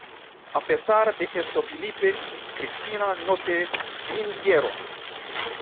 A pesar de esto Felipe y Cristina no se rindieron.